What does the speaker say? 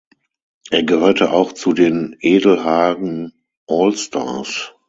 Er gehörte auch zu den "Edelhagen All Stars".